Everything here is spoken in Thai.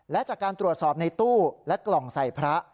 และจากการตรวจสอบในตู้และกล่องใส่พระ